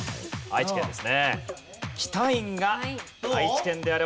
愛知県です。